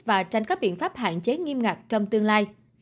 và tranh các biện pháp hạn chế nghiêm ngặt trong tương lai